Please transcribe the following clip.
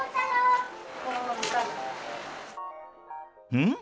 うん？